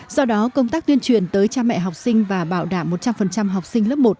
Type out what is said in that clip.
do đó công tác tuyên truyền tới cha mẹ học sinh và bảo đảm một trăm linh học sinh lớp một